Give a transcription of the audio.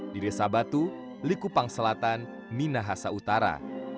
di desa batu likupang selatan minahasa utara